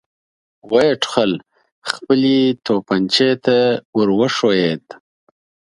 ويې ټوخل، خپلې توپانچې ته ور وښويېد.